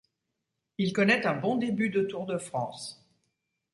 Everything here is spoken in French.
Il connaît un bon début de Tour de France.